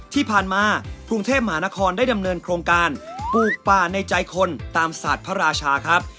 ที่ผ่านมากรุงเทพมหานครได้ดำเนินโครงการปลูกป่าในใจคนตามศาสตร์พระราชาครับ